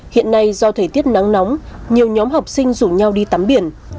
hiện nay do thời tiết nắng nóng nhiều nhóm học sinh rủ nhau đi tắm biển